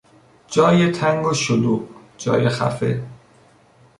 جای تنگ و شلوغ، جای خفه